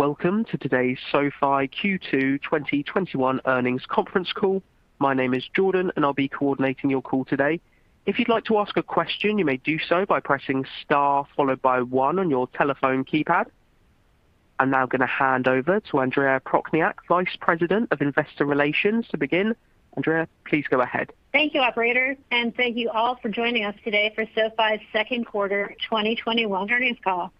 Welcome to today's SoFi Q2 2021 earnings conference call. My name is Jordan, and I will be coordinating your call today. I am now going to hand over to Andrea Prochniak, Vice President of Investor Relations, to begin. Andrea, please go ahead. Thank you, operator. Thank you all for joining us today for SoFi's second quarter 2021 earnings call.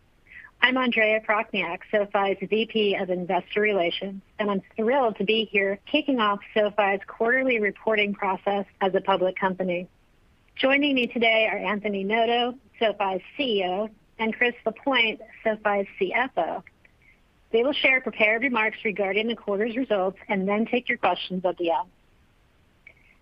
I'm Andrea Prochniak, SoFi's VP of Investor Relations, and I'm thrilled to be here kicking off SoFi's quarterly reporting process as a public company. Joining me today are Anthony Noto, SoFi's CEO, and Chris Lapointe, SoFi's CFO. They will share prepared remarks regarding the quarter's results and then take your questions at the end.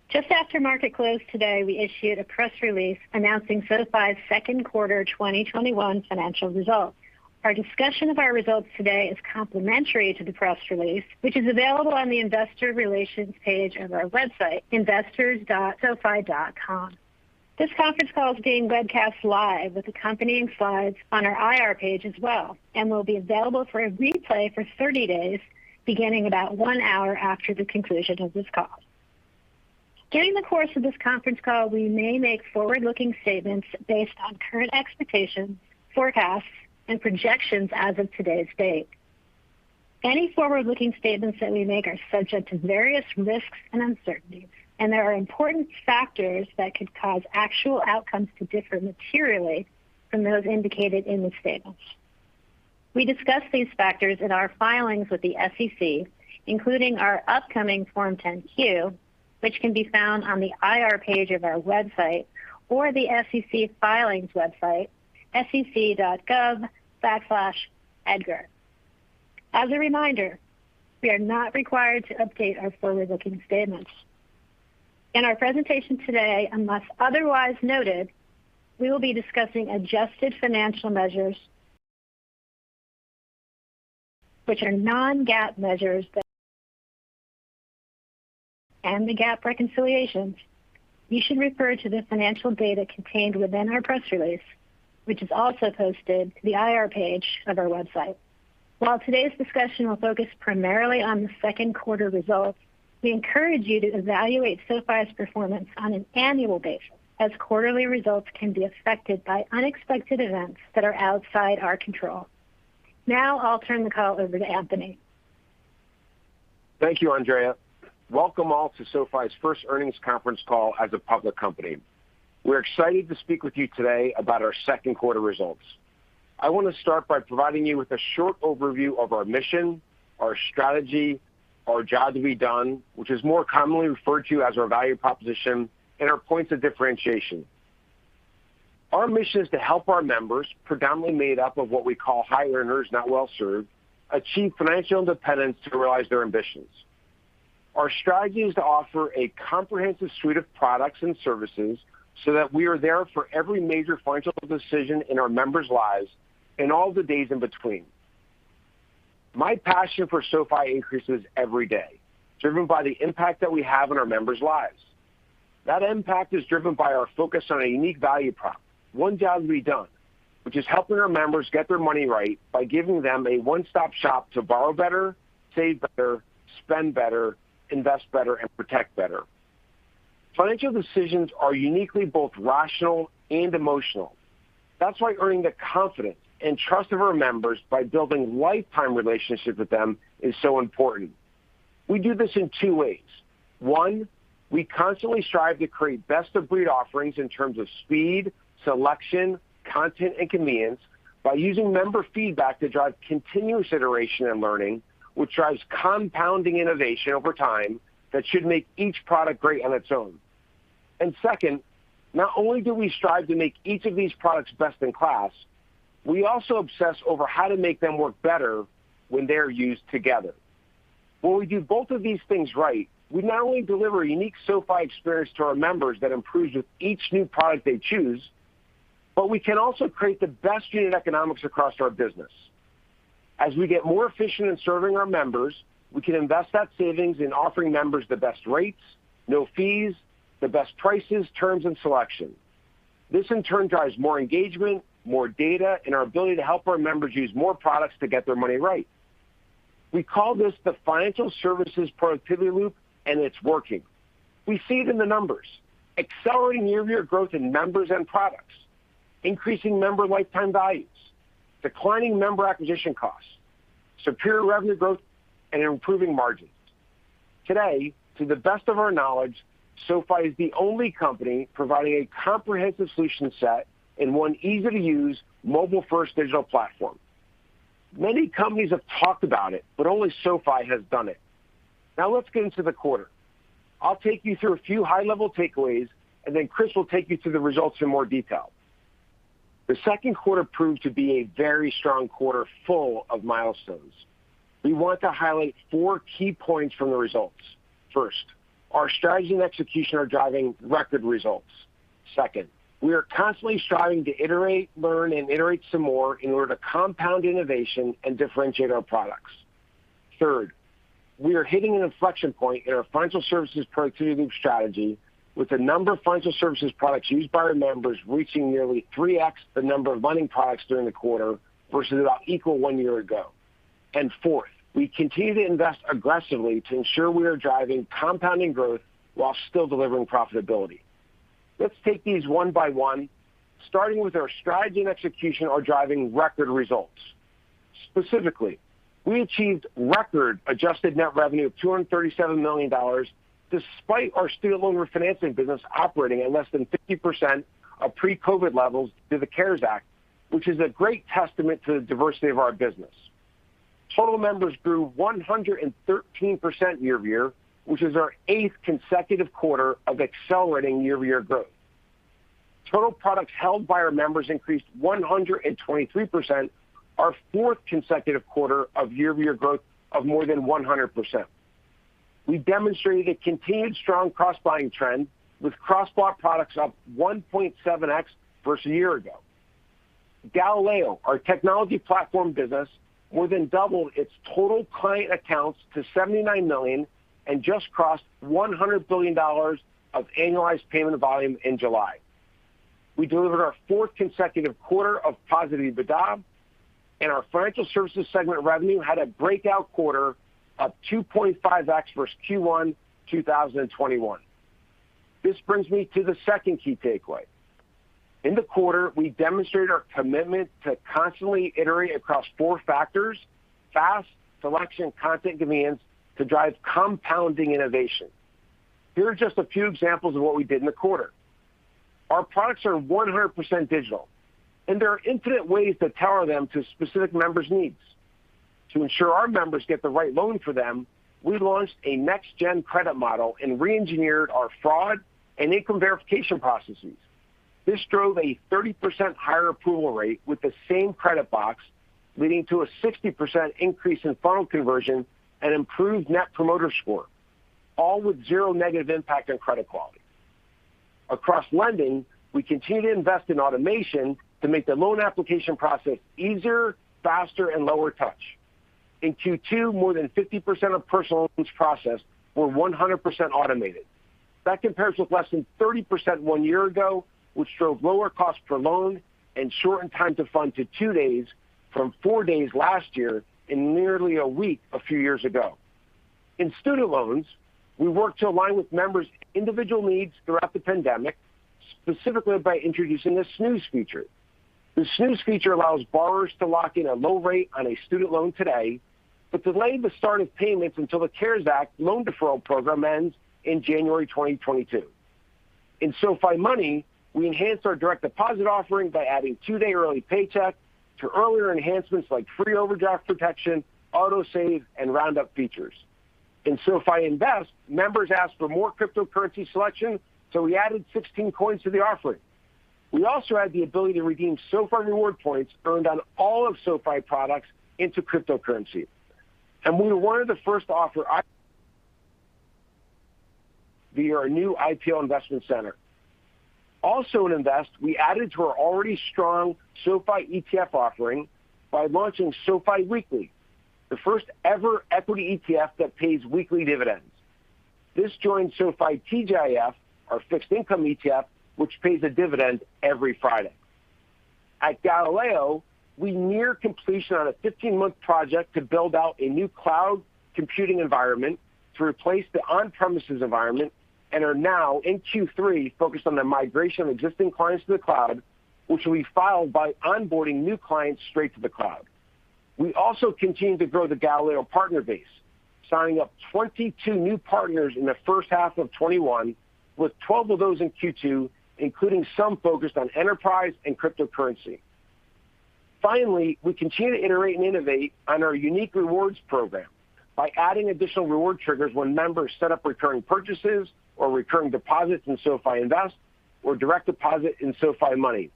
Just after market close today, we issued a press release announcing SoFi's second quarter 2021 financial results. Our discussion of our results today is complementary to the press release, which is available on the investor relations page of our website, investors.sofi.com. This conference call is being webcast live with accompanying slides on our IR page as well and will be available for a replay for 30 days, beginning about 1 hour after the conclusion of this call. During the course of this conference call, we may make forward-looking statements based on current expectations, forecasts, and projections as of today's date. Any forward-looking statements that we make are subject to various risks and uncertainties. There are important factors that could cause actual outcomes to differ materially from those indicated in the statements. We discuss these factors in our filings with the SEC, including our upcoming Form 10-Q, which can be found on the IR page of our website or the SEC filings website, sec.gov/edgar. As a reminder, we are not required to update our forward-looking statements. In our presentation today, unless otherwise noted, we will be discussing adjusted financial measures, which are non-GAAP measures and the GAAP reconciliations. You should refer to the financial data contained within our press release, which is also posted to the IR page of our website. While today's discussion will focus primarily on the second quarter results, we encourage you to evaluate SoFi's performance on an annual basis, as quarterly results can be affected by unexpected events that are outside our control. Now I'll turn the call over to Anthony. Thank you, Andrea. Welcome all to SoFi's first earnings conference call as a public company. We're excited to speak with you today about our second quarter results. I want to start by providing you with a short overview of our mission, our strategy, our job to be done, which is more commonly referred to as our value proposition, and our points of differentiation. Our mission is to help our members, predominantly made up of what we call high earners not well-served, achieve financial independence to realize their ambitions. Our strategy is to offer a comprehensive suite of products and services so that we are there for every major financial decision in our members' lives and all the days in between. My passion for SoFi increases every day, driven by the impact that we have on our members' lives. That impact is driven by our focus on a unique value prop, one job to be done, which is helping our members get their money right by giving them a one-stop shop to borrow better, save better, spend better, invest better, and protect better. Financial decisions are uniquely both rational and emotional. That's why earning the confidence and trust of our members by building lifetime relationships with them is so important. We do this in two ways. One, we constantly strive to create best-of-breed offerings in terms of speed, selection, content, and convenience by using member feedback to drive continuous iteration and learning, which drives compounding innovation over time that should make each product great on its own. Second, not only do we strive to make each of these products best in class, we also obsess over how to make them work better when they are used together. When we do both of these things right, we not only deliver a unique SoFi experience to our members that improves with each new product they choose, but we can also create the best unit economics across our business. As we get more efficient in serving our members, we can invest that savings in offering members the best rates, no fees, the best prices, terms, and selection. This, in turn, drives more engagement, more data, and our ability to help our members use more products to get their money right. We call this the financial services productivity loop, and it's working. We see it in the numbers. Accelerating year-over-year growth in members and products, increasing member lifetime values, declining member acquisition costs, superior revenue growth, and improving margins. Today, to the best of our knowledge, SoFi is the only company providing a comprehensive solution set in one easy-to-use, mobile-first digital platform. Many companies have talked about it, but only SoFi has done it. Let's get into the quarter. I'll take you through a few high-level takeaways, and then Chris will take you through the results in more detail. The second quarter proved to be a very strong quarter, full of milestones. We want to highlight four key points from the results. First, our strategy and execution are driving record results. Second, we are constantly striving to iterate, learn, and iterate some more in order to compound innovation and differentiate our products. Third, we are hitting an inflection point in our financial services productivity strategy with the number of financial services products used by our members reaching nearly 3x the number of money products during the quarter, versus about equal one year ago. Fourth, we continue to invest aggressively to ensure we are driving compounding growth while still delivering profitability. Let's take these one by one, starting with our strategy and execution are driving record results. Specifically, we achieved record adjusted net revenue of $237 million, despite our student loan refinancing business operating at less than 50% of pre-COVID levels due to the CARES Act, which is a great testament to the diversity of our business. Total members grew 113% year-over-year, which is our eighth consecutive quarter of accelerating year-over-year growth. Total products held by our members increased 123%, our fourth consecutive quarter of year-over-year growth of more than 100%. We demonstrated a continued strong cross-buying trend, with cross-bought products up 1.7X versus a year ago. Galileo, our technology platform business, more than doubled its total client accounts to 79 million and just crossed $100 billion of annualized payment volume in July. We delivered our fourth consecutive quarter of positive EBITDA, and our financial services segment revenue had a breakout quarter up 2.5X versus Q1 2021. This brings me to the second key takeaway. In the quarter, we demonstrated our commitment to constantly iterate across four factors, fast, selection, content, convenience, to drive compounding innovation. Here are just a few examples of what we did in the quarter. Our products are 100% digital, and there are infinite ways to tailor them to specific members' needs. To ensure our members get the right loan for them, we launched a next-gen credit model and reengineered our fraud and income verification processes. This drove a 30% higher approval rate with the same credit box, leading to a 60% increase in funnel conversion and improved net promoter score, all with zero negative impact on credit quality. Across lending, we continue to invest in automation to make the loan application process easier, faster, and lower touch. In Q2, more than 50% of personal loans processed were 100% automated. That compares with less than 30% one year ago, which drove lower cost per loan and shortened time to fund to two days from four days last year and nearly a week a few years ago. In student loans, we worked to align with members' individual needs throughout the pandemic, specifically by introducing the snooze feature. The snooze feature allows borrowers to lock in a low rate on a student loan today, but delay the start of payments until the CARES Act loan deferral program ends in January 2022. In SoFi Money, we enhanced our direct deposit offering by adding two-day early paycheck to earlier enhancements like free overdraft protection, auto-save, and roundup features. In SoFi Invest, members asked for more cryptocurrency selection. We added 16 coins to the offering. We also added the ability to redeem SoFi reward points earned on all of SoFi's products into cryptocurrency. We were one of the first to offer via our new IPO investment center. Also in Invest, we added to our already strong SoFi ETF offering by launching SoFi Weekly, the first-ever equity ETF that pays weekly dividends. This joins SoFi TGIF, our fixed income ETF, which pays a dividend every Friday. At Galileo, we near completion on a 15-month project to build out a new cloud computing environment to replace the on-premises environment and are now in Q3 focused on the migration of existing clients to the cloud, which will be followed by onboarding new clients straight to the cloud. We also continue to grow the Galileo partner base, signing up 22 new partners in the first half of 2021, with 12 of those in Q2, including some focused on enterprise and cryptocurrency. Finally, we continue to iterate and innovate on our unique rewards program by adding additional reward triggers when members set up recurring purchases or recurring deposits in SoFi Invest or direct deposit in SoFi Money,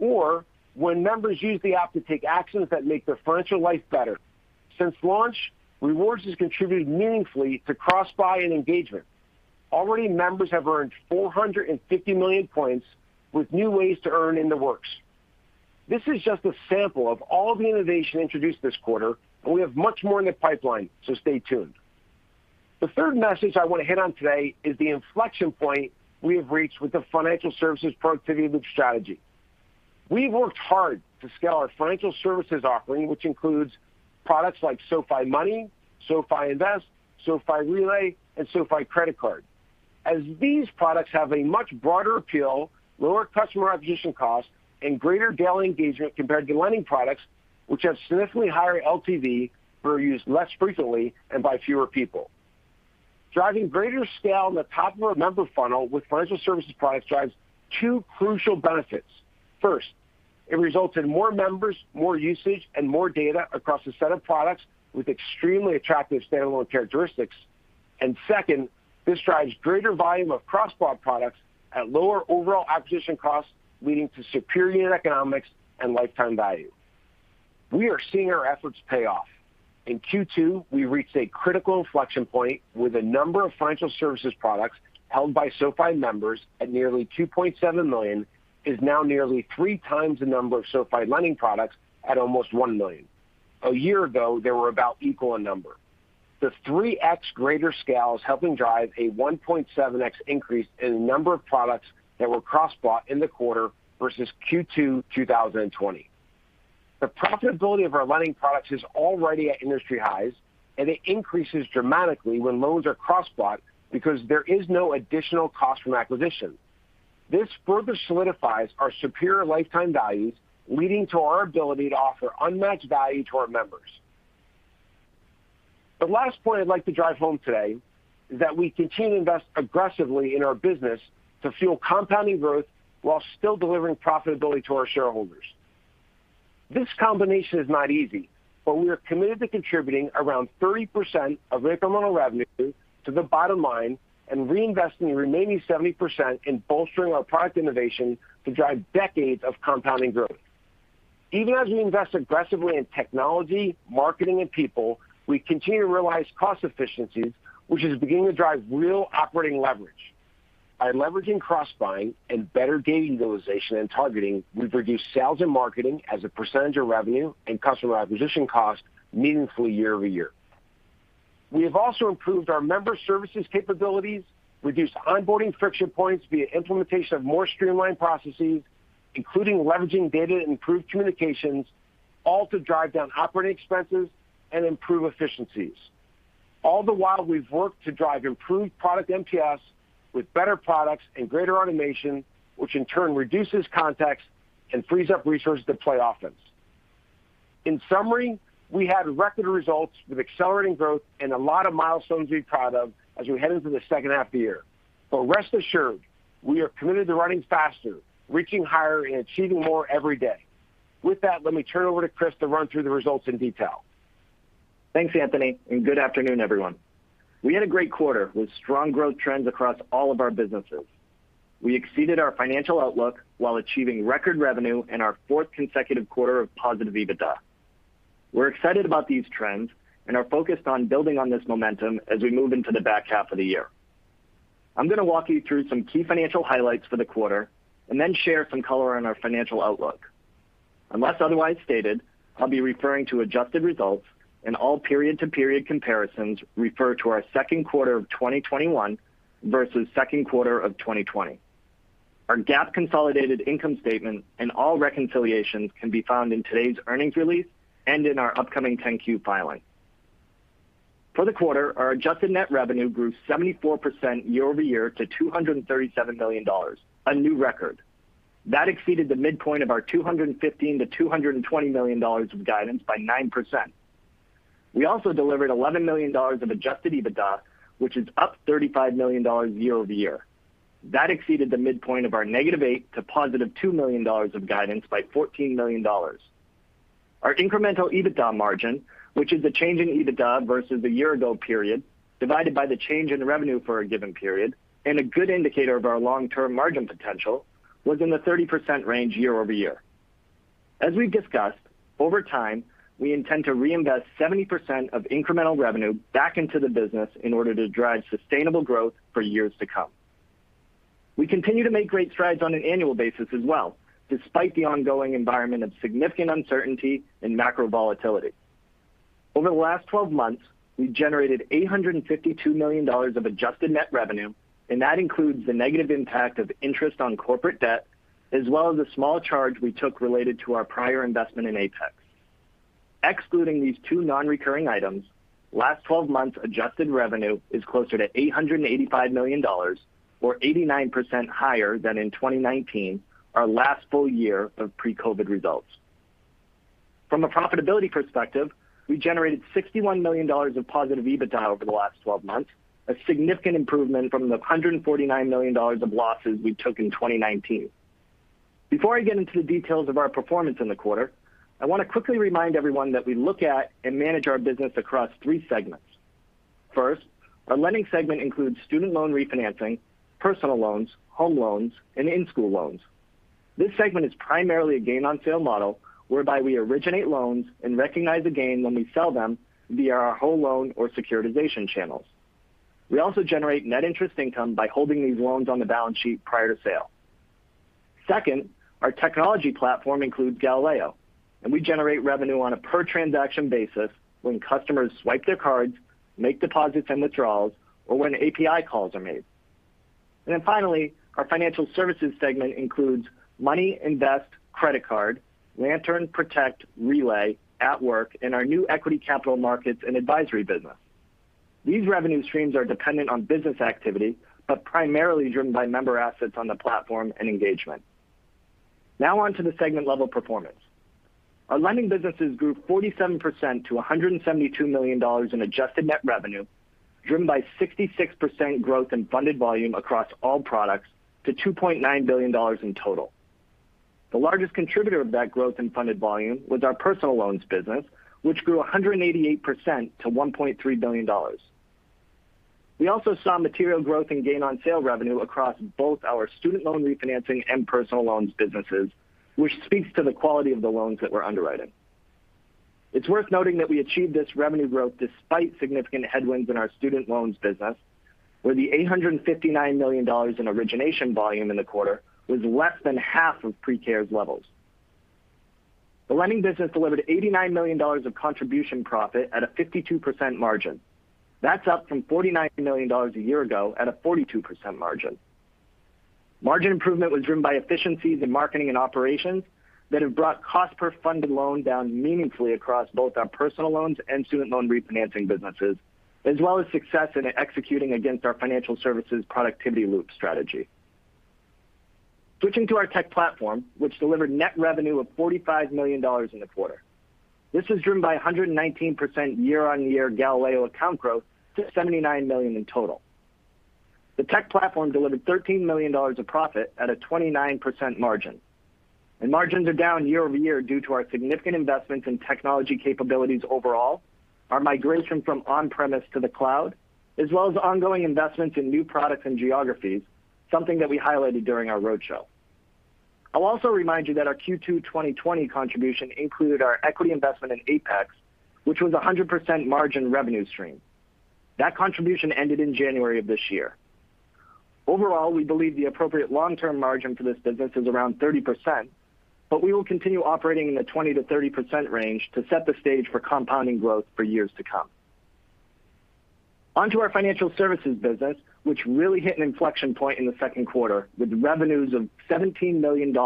or when members use the app to take actions that make their financial life better. Since launch, rewards has contributed meaningfully to cross-buy and engagement. Already, members have earned 450 million points, with new ways to earn in the works. This is just a sample of all the innovation introduced this quarter, and we have much more in the pipeline, so stay tuned. The third message I want to hit on today is the inflection point we have reached with the financial services productivity loop strategy. We've worked hard to scale our financial services offering, which includes products like SoFi Money, SoFi Invest, SoFi Relay, and SoFi Credit Card, as these products have a much broader appeal, lower customer acquisition cost, and greater daily engagement compared to lending products, which have significantly higher LTV but are used less frequently and by fewer people. Driving greater scale in the top of our member funnel with financial services products drives two crucial benefits. First, it results in more members, more usage, and more data across a set of products with extremely attractive standalone characteristics. Second, this drives greater volume of cross-bought products at lower overall acquisition costs, leading to superior economics and lifetime value. We are seeing our efforts pay off. In Q2, we reached a critical inflection point with the number of financial services products held by SoFi members at nearly 2.7 million. It is now nearly 3x the number of SoFi lending products at almost 1 million. A year ago, they were about equal in number. The 3x greater scale is helping drive a 1.7x increase in the number of products that were cross-bought in the quarter versus Q2 2020. The profitability of our lending products is already at industry highs. It increases dramatically when loans are cross-bought because there is no additional cost from acquisition. This further solidifies our superior lifetime values, leading to our ability to offer unmatched value to our members. The last point I'd like to drive home today is that we continue to invest aggressively in our business to fuel compounding growth while still delivering profitability to our shareholders. This combination is not easy, but we are committed to contributing around 30% of incremental revenue to the bottom line and reinvesting the remaining 70% in bolstering our product innovation to drive decades of compounding growth. Even as we invest aggressively in technology, marketing, and people, we continue to realize cost efficiencies, which is beginning to drive real operating leverage. By leveraging cross-buying and better data utilization and targeting, we've reduced sales and marketing as a percentage of revenue and customer acquisition cost meaningfully year-over-year. We have also improved our member services capabilities, reduced onboarding friction points via implementation of more streamlined processes, including leveraging data and improved communications, all to drive down operating expenses and improve efficiencies. All the while, we've worked to drive improved product NPS with better products and greater automation, which in turn reduces contacts and frees up resources to play offense. In summary, we had record results with accelerating growth and a lot of milestones we're proud of as we head into the second half of the year. Rest assured, we are committed to running faster, reaching higher, and achieving more every day. With that, let me turn it over to Chris to run through the results in detail. Thanks, Anthony, and good afternoon, everyone. We had a great quarter with strong growth trends across all of our businesses. We exceeded our financial outlook while achieving record revenue and our fourth consecutive quarter of positive EBITDA. We're excited about these trends and are focused on building on this momentum as we move into the back half of the year. I'm going to walk you through some key financial highlights for the quarter and then share some color on our financial outlook. Unless otherwise stated, I'll be referring to adjusted results, and all period-to-period comparisons refer to our second quarter of 2021 versus second quarter of 2020. Our GAAP consolidated income statement and all reconciliations can be found in today's earnings release and in our upcoming 10-Q filing. For the quarter, our adjusted net revenue grew 74% year-over-year to $237 million, a new record. That exceeded the midpoint of our $215 million-$220 million of guidance by 9%. We also delivered $11 million of adjusted EBITDA, which is up $35 million year-over-year. That exceeded the midpoint of our -$8 million to +$2 million of guidance by $14 million. Our incremental EBITDA margin, which is the change in EBITDA versus the year-ago period divided by the change in revenue for a given period and a good indicator of our long-term margin potential, was in the 30% range year-over-year. As we've discussed, over time, we intend to reinvest 70% of incremental revenue back into the business in order to drive sustainable growth for years to come. We continue to make great strides on an annual basis as well, despite the ongoing environment of significant uncertainty and macro volatility. Over the last 12 months, we've generated $852 million of adjusted net revenue, and that includes the negative impact of interest on corporate debt, as well as a small charge we took related to our prior investment in Apex. Excluding these two non-recurring items, last 12 months adjusted revenue is closer to $885 million, or 89% higher than in 2019, our last full year of pre-COVID results. From a profitability perspective, we generated $61 million of positive EBITDA over the last 12 months, a significant improvement from the $149 million of losses we took in 2019. Before I get into the details of our performance in the quarter, I want to quickly remind everyone that we look at and manage our business across three segments. First, our lending segment includes student loan refinancing, personal loans, home loans, and in-school loans. This segment is primarily a gain on sale model whereby we originate loans and recognize a gain when we sell them via our home loan or securitization channels. We also generate net interest income by holding these loans on the balance sheet prior to sale. Second, our technology platform includes Galileo, and we generate revenue on a per-transaction basis when customers swipe their cards, make deposits and withdrawals, or when API calls are made. Finally, our financial services segment includes Money, Invest, Credit Card, Lantern, Protect, Relay, At Work, and our new equity capital markets and advisory business. These revenue streams are dependent on business activity, but primarily driven by member assets on the platform and engagement. Now on to the segment-level performance. Our lending businesses grew 47% to $172 million in adjusted net revenue, driven by 66% growth in funded volume across all products to $2.9 billion in total. The largest contributor of that growth in funded volume was our personal loans business, which grew 188% to $1.3 billion. We also saw material growth in gain on sale revenue across both our student loan refinancing and personal loans businesses, which speaks to the quality of the loans that we're underwriting. It's worth noting that we achieved this revenue growth despite significant headwinds in our student loans business, where the $859 million in origination volume in the quarter was less than half of pre-CARES levels. The lending business delivered $89 million of contribution profit at a 52% margin. That's up from $49 million a year ago at a 42% margin. Margin improvement was driven by efficiencies in marketing and operations that have brought cost per funded loan down meaningfully across both our personal loans and student loan refinancing businesses, as well as success in executing against our financial services productivity loop strategy. Switching to our tech platform, which delivered net revenue of $45 million in the quarter. This was driven by 119% year-on-year Galileo account growth to $79 million in total. The tech platform delivered $13 million of profit at a 29% margin, and margins are down year-over-year due to our significant investments in technology capabilities overall, our migration from on-premise to the cloud, as well as ongoing investments in new products and geographies, something that we highlighted during our roadshow. I'll also remind you that our Q2 2020 contribution included our equity investment in Apex, which was 100% margin revenue stream. That contribution ended in January of this year. Overall, we believe the appropriate long-term margin for this business is around 30%, but we will continue operating in the 20%-30% range to set the stage for compounding growth for years to come. On to our financial services business, which really hit an inflection point in the second quarter with revenues of $17 million,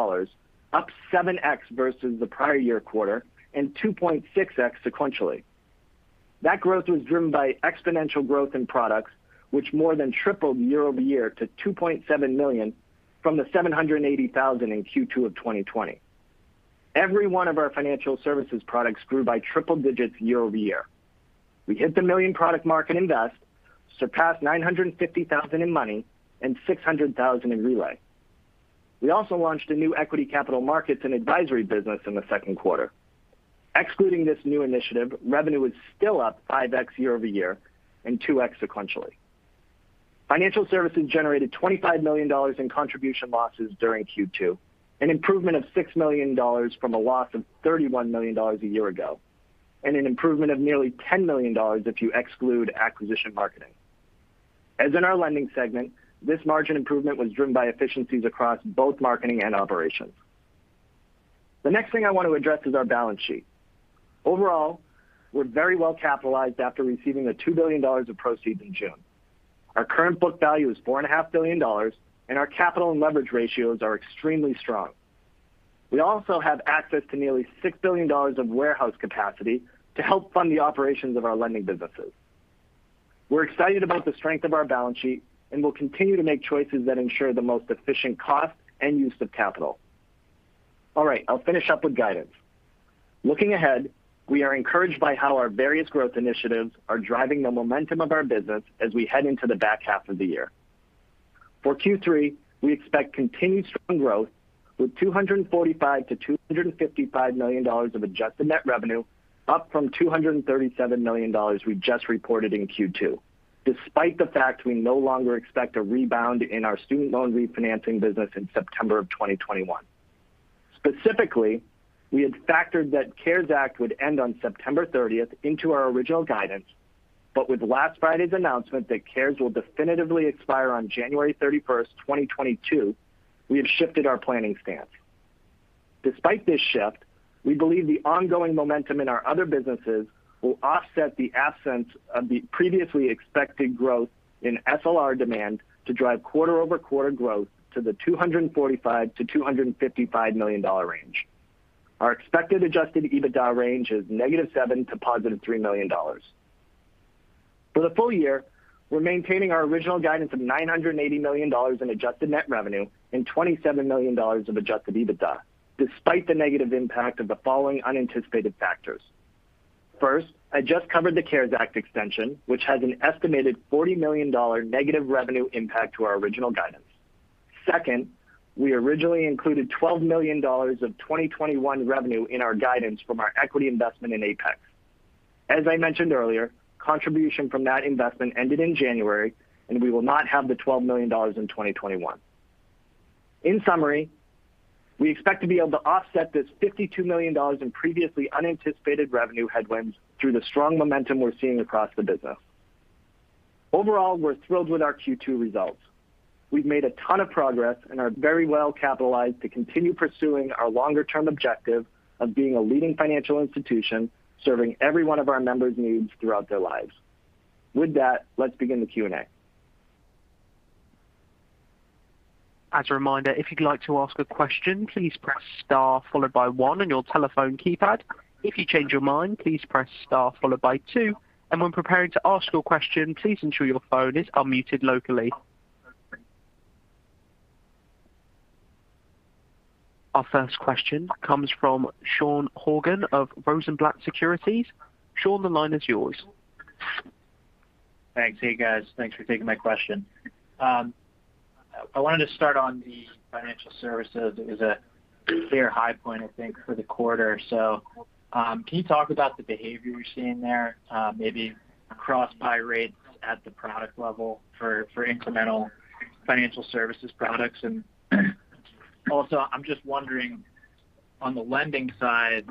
up 7X versus the prior year quarter and 2.6X sequentially. That growth was driven by exponential growth in products, which more than tripled year-over-year to $2.7 million from the $780,000 in Q2 of 2020. Every one of our financial services products grew by triple digits year-over-year. We hit the million product mark in Invest, surpassed $950,000 in Money, and $600,000 in Relay. We also launched a new equity capital markets and advisory business in the second quarter. Excluding this new initiative, revenue was still up 5X year-over-year and 2X sequentially. Financial services generated $25 million in contribution losses during Q2, an improvement of $6 million from a loss of $31 million a year ago, and an improvement of nearly $10 million if you exclude acquisition marketing. As in our lending segment, this margin improvement was driven by efficiencies across both marketing and operations. The next thing I want to address is our balance sheet. Overall, we're very well capitalized after receiving the $2 billion of proceeds in June. Our current book value is $4.5 billion, and our capital and leverage ratios are extremely strong. We also have access to nearly $6 billion of warehouse capacity to help fund the operations of our lending businesses. We're excited about the strength of our balance sheet and will continue to make choices that ensure the most efficient cost and use of capital. All right. I'll finish up with guidance. Looking ahead, we are encouraged by how our various growth initiatives are driving the momentum of our business as we head into the back half of the year. For Q3, we expect continued strong growth with $245 million-$255 million of adjusted net revenue, up from $237 million we just reported in Q2. Despite the fact we no longer expect a rebound in our student loan refinancing business in September of 2021. Specifically, we had factored that CARES Act would end on September 30th into our original guidance. With last Friday's announcement that CARES will definitively expire on January 31st, 2022, we have shifted our planning stance. Despite this shift, we believe the ongoing momentum in our other businesses will offset the absence of the previously expected growth in SLR demand to drive quarter-over-quarter growth to the $245 million-$255 million range. Our expected adjusted EBITDA range is -$7 million to +$3 million. For the full year, we're maintaining our original guidance of $980 million in adjusted net revenue and $27 million of adjusted EBITDA, despite the negative impact of the following unanticipated factors. First, I just covered the CARES Act extension, which has an estimated $40 million negative revenue impact to our original guidance. Second, we originally included $12 million of 2021 revenue in our guidance from our equity investment in Apex. As I mentioned earlier, contribution from that investment ended in January, and we will not have the $12 million in 2021. In summary, we expect to be able to offset this $52 million in previously unanticipated revenue headwinds through the strong momentum we're seeing across the business. Overall, we're thrilled with our Q2 results. We've made a ton of progress and are very well capitalized to continue pursuing our longer-term objective of being a leading financial institution serving every one of our members' needs throughout their lives. With that, let's begin the Q&A. As a reminder, if you'd like to ask a question, please press star followed by one on your telephone keypad. If you change your mind, please press star followed by two. When preparing to ask your question, please ensure your phone is unmuted locally. Our first question comes from Sean Horgan of Rosenblatt Securities. Sean, the line is yours. Thanks. Hey, guys. Thanks for taking my question. I wanted to start on the financial services as a clear high point, I think, for the quarter. Can you talk about the behavior you're seeing there, maybe across buy rates at the product level for incremental financial services products? Also, I'm just wondering, on the lending side,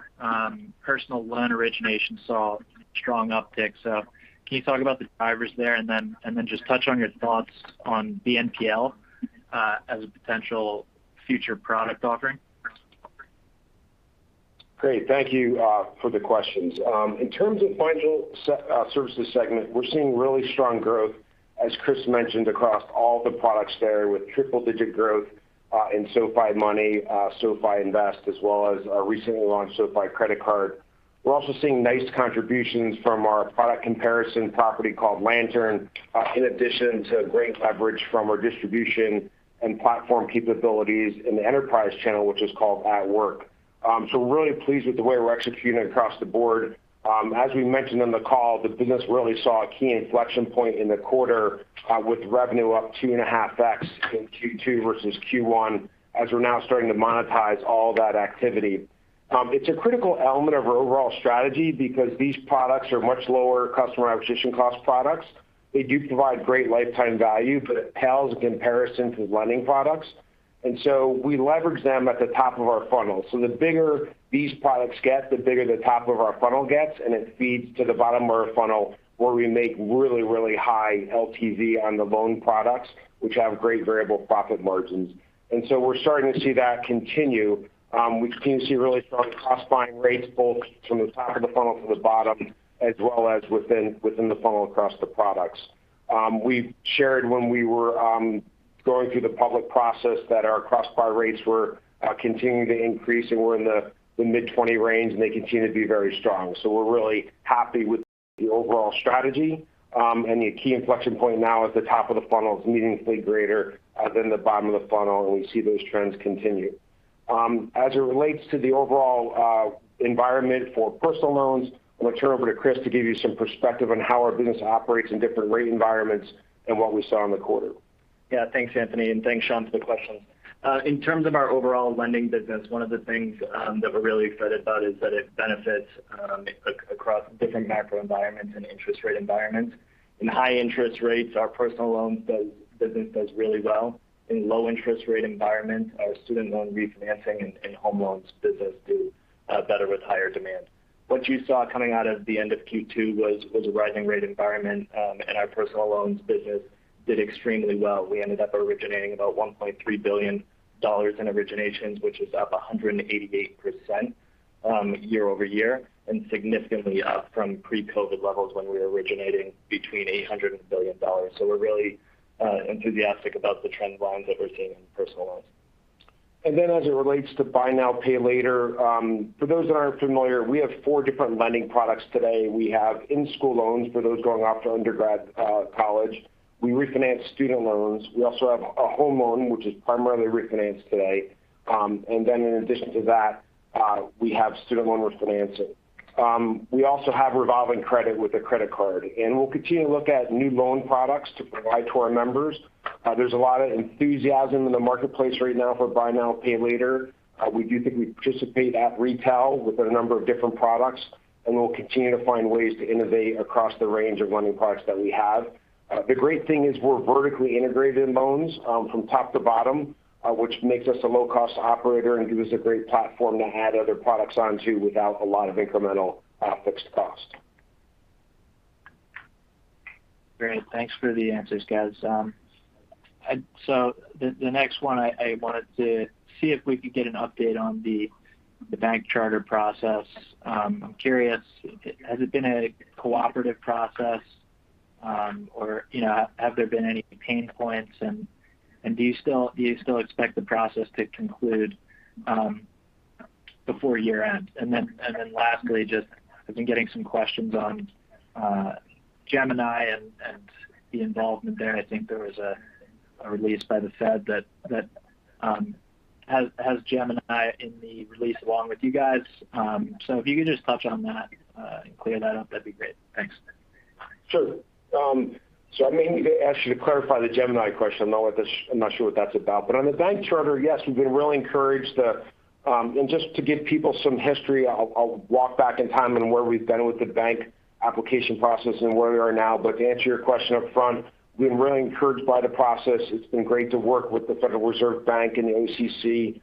personal loan origination saw strong uptick. Can you talk about the drivers there and then just touch on your thoughts on BNPL as a potential future product offering? Great. Thank you for the questions. In terms of financial services segment, we're seeing really strong growth, as Chris mentioned, across all the products there, with triple-digit growth in SoFi Money, SoFi Invest, as well as our recently launched SoFi Credit Card. We're also seeing nice contributions from our product comparison property called Lantern, in addition to great leverage from our distribution and platform capabilities in the enterprise channel, which is called At Work. We're really pleased with the way we're executing across the board. As we mentioned on the call, the business really saw a key inflection point in the quarter, with revenue up 2.5x in Q2 versus Q1, as we're now starting to monetize all that activity. It's a critical element of our overall strategy because these products are much lower customer acquisition cost products. They do provide great lifetime value, but it pales in comparison to lending products. We leverage them at the top of our funnel. The bigger these products get, the bigger the top of our funnel gets, and it feeds to the bottom of our funnel, where we make really, really high LTV on the loan products, which have great variable profit margins. We're starting to see that continue. We continue to see really strong cross-buying rates both from the top of the funnel to the bottom, as well as within the funnel across the products. We shared when we were going through the public process that our cross-buy rates were continuing to increase, and we're in the mid-20 range, and they continue to be very strong. We're really happy with the overall strategy. The key inflection point now at the top of the funnel is meaningfully greater than the bottom of the funnel, and we see those trends continue. As it relates to the overall environment for personal loans, I'm going to turn it over to Chris to give you some perspective on how our business operates in different rate environments and what we saw in the quarter. Thanks, Anthony, and thanks, Sean, for the question. In terms of our overall lending business, one of the things that we're really excited about is that it benefits across different macro environments and interest rate environments. In high interest rates, our personal loans business does really well. In low interest rate environments, our student loan refinancing and home loans business do better with higher demand. What you saw coming out of the end of Q2 was a rising rate environment, and our personal loans business did extremely well. We ended up originating about $1.3 billion in originations, which is up 188% year-over-year, and significantly up from pre-COVID levels when we were originating between $800 million and $1 billion. We're really enthusiastic about the trend lines that we're seeing in personal loans. As it relates to buy now, pay later, for those that aren't familiar, we have four different lending products today. We have in-school loans for those going off to undergrad college. We refinance student loans. We also have a home loan, which is primarily refinanced today. In addition to that, we have student loan refinancing. We also have revolving credit with a SoFi Credit Card. We'll continue to look at new loan products to provide to our members. There's a lot of enthusiasm in the marketplace right now for buy now, pay later. We do think we participate at retail with a number of different products, and we'll continue to find ways to innovate across the range of lending products that we have. The great thing is we're vertically integrated in loans from top to bottom, which makes us a low-cost operator and gives us a great platform to add other products onto without a lot of incremental fixed cost. Great. Thanks for the answers, guys. The next one, I wanted to see if we could get an update on the bank charter process. I'm curious, has it been a cooperative process? Or have there been any pain points and do you still expect the process to conclude before year-end? Lastly, just I've been getting some questions on Gemini and the involvement there. I think there was a release by the Fed that has Gemini in the release along with you guys. If you could just touch on that and clear that up, that'd be great. Thanks. Sure. I may need to ask you to clarify the Gemini question. I'm not sure what that's about, but on the bank charter, yes, we've been really encouraged. Just to give people some history, I'll walk back in time on where we've been with the bank application process and where we are now. To answer your question up front, we've been really encouraged by the process. It's been great to work with the Federal Reserve Bank and the OCC.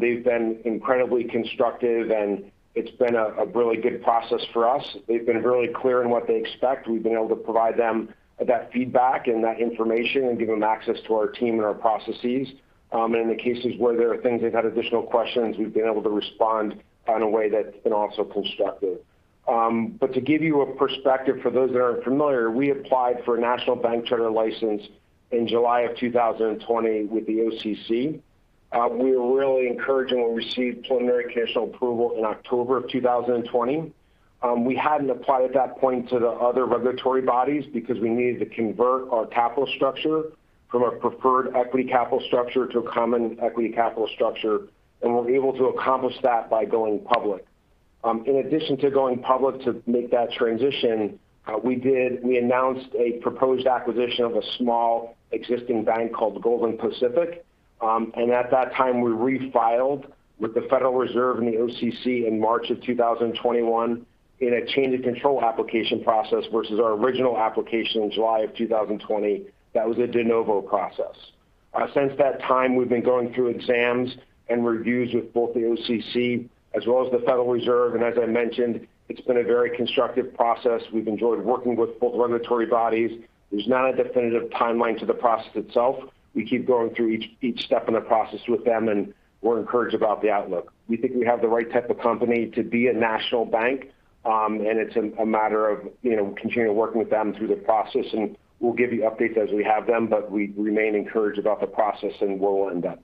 They've been incredibly constructive, and it's been a really good process for us. They've been really clear in what they expect. We've been able to provide them that feedback and that information and give them access to our team and our processes. In the cases where there are things they've had additional questions, we've been able to respond in a way that's been also constructive. To give you a perspective for those that aren't familiar, we applied for a national bank charter license in July of 2020 with the OCC. We were really encouraged and we received preliminary conditional approval in October of 2020. We hadn't applied at that point to the other regulatory bodies because we needed to convert our capital structure from a preferred equity capital structure to a common equity capital structure, and we're able to accomplish that by going public. In addition to going public to make that transition, we announced a proposed acquisition of a small existing bank called Golden Pacific. At that time, we refiled with the Federal Reserve and the OCC in March of 2021 in a change in control application process versus our original application in July of 2020. That was a de novo process. Since that time, we've been going through exams and reviews with both the OCC as well as the Federal Reserve. As I mentioned, it's been a very constructive process. We've enjoyed working with both regulatory bodies. There's not a definitive timeline to the process itself. We keep going through each step in the process with them, and we're encouraged about the outlook. We think we have the right type of company to be a national bank. It's a matter of continuing to work with them through the process, and we'll give you updates as we have them, but we remain encouraged about the process and where we'll end up.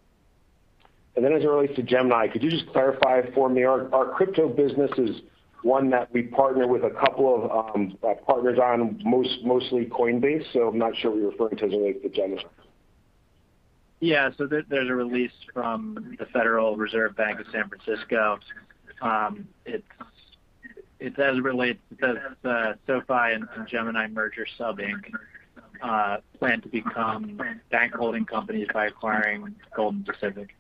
As it relates to Gemini, could you just clarify for me? Our crypto business is one that we partner with a couple of partners on, mostly Coinbase. I'm not sure what you're referring to as it relates to Gemini. Yeah. There's a release from the Federal Reserve Bank of San Francisco. It says, "SoFi and Gemini Merger Sub, Inc. plan to become bank holding companies by acquiring Golden Pacific."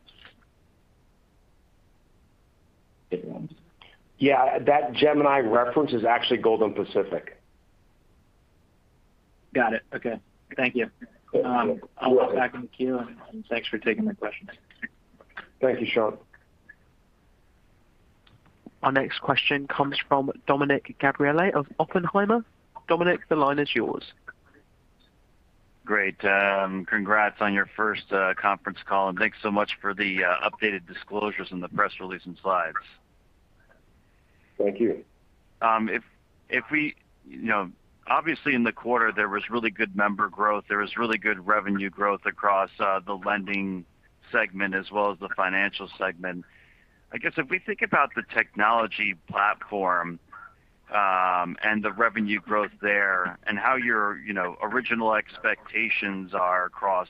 Yeah. That Gemini reference is actually Golden Pacific. Got it. Okay. Thank you. You're welcome. I'll walk back in the queue, and thanks for taking the questions. Thank you, Sean. Our next question comes from Dominick Gabriele of Oppenheimer. Dominick, the line is yours. Great. Congrats on your first conference call. Thanks so much for the updated disclosures in the press release and slides. Thank you. Obviously, in the quarter, there was really good member growth. There was really good revenue growth across the lending segment as well as the financial segment. I guess if we think about the technology platform, and the revenue growth there and how your original expectations are across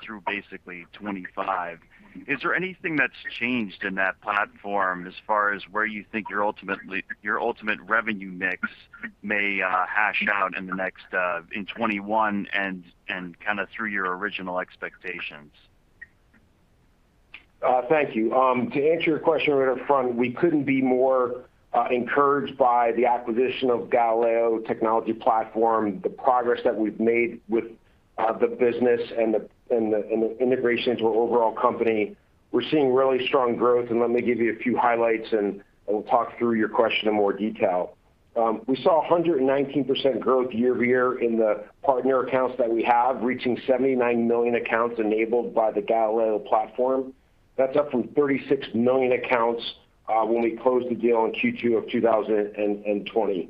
through basically 2025, is there anything that's changed in that platform as far as where you think your ultimate revenue mix may hash out in 2021 and kind of through your original expectations? Thank you. To answer your question right up front, we couldn't be more encouraged by the acquisition of Galileo technology platform, the progress that we've made with the business and the integration into our overall company. We're seeing really strong growth, let me give you a few highlights, and we'll talk through your question in more detail. We saw 119% growth year-over-year in the partner accounts that we have, reaching 79 million accounts enabled by the Galileo platform. That's up from 36 million accounts when we closed the deal in Q2 of 2020.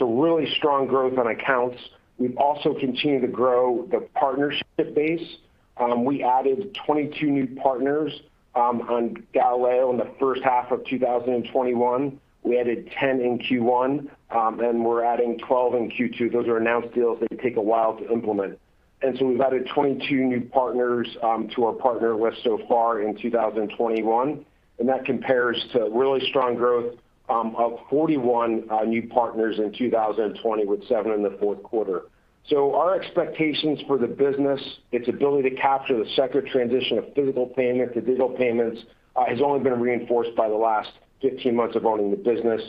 Really strong growth on accounts. We've also continued to grow the partnership base. We added 22 new partners on Galileo in the first half of 2021. We added 10 in Q1, we're adding 12 in Q2. Those are announced deals. They take a while to implement. We've added 22 new partners to our partner list so far in 2021, and that compares to really strong growth of 41 new partners in 2020, with seven in the fourth quarter. Our expectations for the business, its ability to capture the secular transition of physical payment to digital payments, has only been reinforced by the last 15 months of owning the business.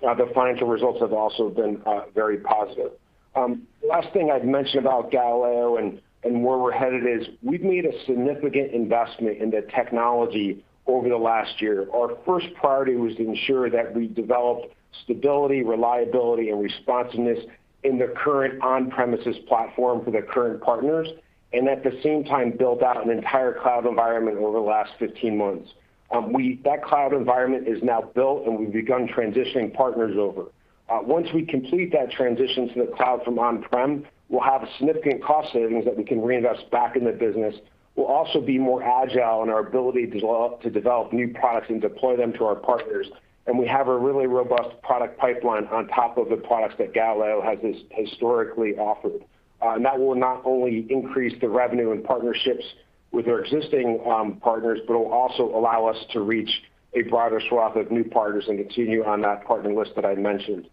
The financial results have also been very positive. The last thing I'd mention about Galileo and where we're headed is we've made a significant investment in the technology over the last year. Our first priority was to ensure that we developed stability, reliability, and responsiveness in the current on-premises platform for the current partners, and at the same time, build out an entire cloud environment over the last 15 months. That cloud environment is now built. We've begun transitioning partners over. Once we complete that transition to the cloud from on-prem, we'll have significant cost savings that we can reinvest back in the business. We'll also be more agile in our ability to develop new products and deploy them to our partners. We have a really robust product pipeline on top of the products that Galileo has historically offered. That will not only increase the revenue and partnerships with our existing partners, but it will also allow us to reach a broader swath of new partners and continue on that partner list that I mentioned.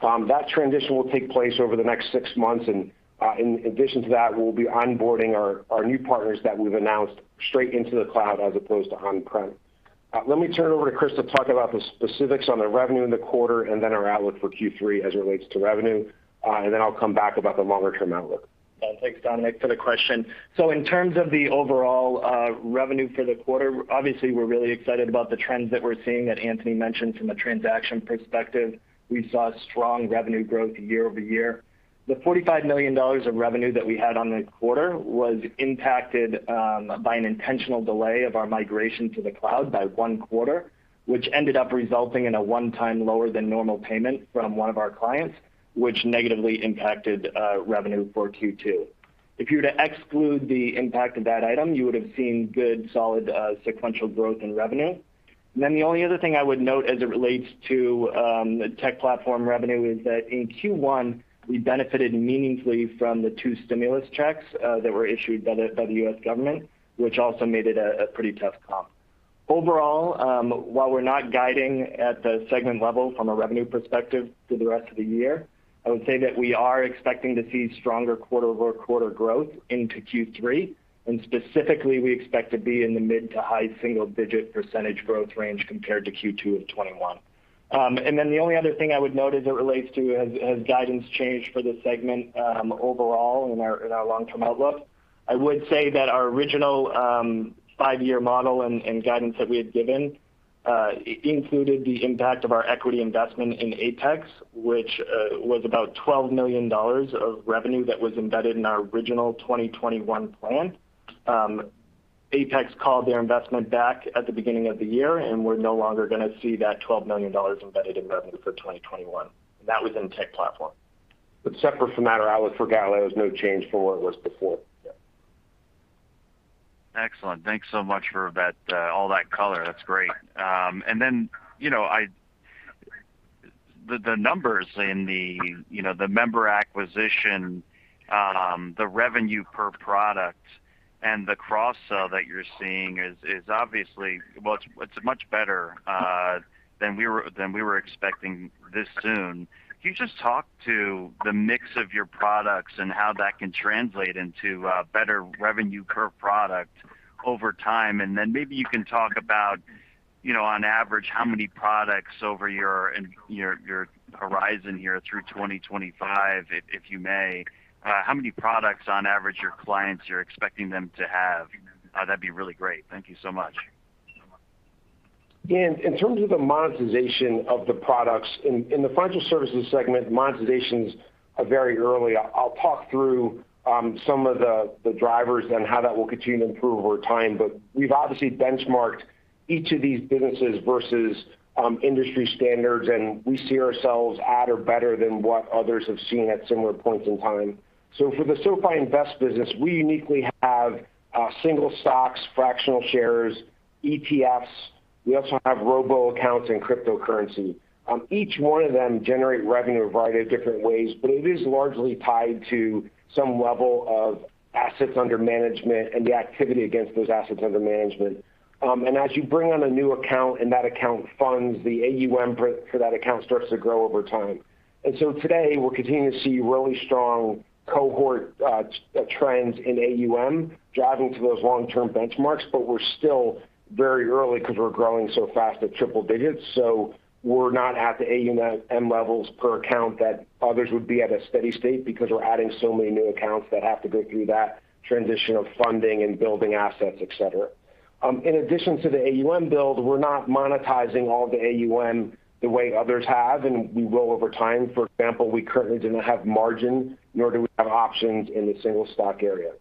That transition will take place over the next six months. In addition to that, we'll be onboarding our new partners that we've announced straight into the cloud as opposed to on-prem. Let me turn it over to Chris to talk about the specifics on the revenue in the quarter and then our outlook for Q3 as it relates to revenue. I'll come back about the longer-term outlook. Thanks, Dominick, for the question. In terms of the overall revenue for the quarter, obviously, we're really excited about the trends that we're seeing that Anthony mentioned from a transaction perspective. We saw strong revenue growth year-over-year. The $45 million of revenue that we had on the quarter was impacted by an intentional delay of our migration to the cloud by one quarter, which ended up resulting in a one-time lower than normal payment from one of our clients, which negatively impacted revenue for Q2. If you were to exclude the impact of that item, you would've seen good, solid sequential growth in revenue. The only other thing I would note as it relates to tech platform revenue is that in Q1, we benefited meaningfully from the two stimulus checks that were issued by the U.S. government, which also made it a pretty tough comp. Overall, while we're not guiding at the segment level from a revenue perspective through the rest of the year, I would say that we are expecting to see stronger quarter-over-quarter growth into Q3. Specifically, we expect to be in the mid to high single-digit percentage growth range compared to Q2 of 2021. The only other thing I would note as it relates to has guidance changed for this segment overall in our long-term outlook. I would say that our original five-year model and guidance that we had given included the impact of our equity investment in Apex, which was about $12 million of revenue that was embedded in our original 2021 plan. Apex called their investment back at the beginning of the year, we're no longer going to see that $12 million embedded in revenue for 2021. That was in tech platform. Separate from that, our outlook for Galileo is no change from what it was before. Yeah. Excellent. Thanks so much for all that color. That's great. The numbers in the member acquisition, the revenue per product, and the cross-sell that you're seeing is obviously much better than we were expecting this soon. Can you just talk to the mix of your products and how that can translate into better revenue per product over time? Maybe you can talk about, on average, how many products over your horizon here through 2025, if you may. How many products, on average, your clients, you're expecting them to have? That'd be really great. Thank you so much. In terms of the monetization of the products, in the financial services segment, the monetizations are very early. I'll talk through some of the drivers and how that will continue to improve over time. We've obviously benchmarked each of these businesses versus industry standards, and we see ourselves at or better than what others have seen at similar points in time. For the SoFi Invest business, we uniquely have single stocks, fractional shares, ETFs. We also have robo accounts and cryptocurrency. Each one of them generate revenue a variety of different ways, but it is largely tied to some level of assets under management and the activity against those assets under management. As you bring on a new account and that account funds, the AUM for that account starts to grow over time. Today, we're continuing to see really strong cohort trends in AUM driving to those long-term benchmarks, but we're still very early because we're growing so fast at triple digits. We're not at the AUM levels per account that others would be at a steady state because we're adding so many new accounts that have to go through that transition of funding and building assets, et cetera. In addition to the AUM build, we're not monetizing all the AUM the way others have, and we will over time. For example, we currently didn't have margin, nor do we have options in the single stock area.